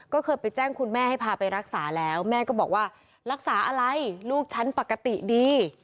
ก็เคยไปแจ้งคุณแม่ให้พาไปรักษาแล้วแม่ก็บอกว่ารักษาอะไรลูกฉันปกติดี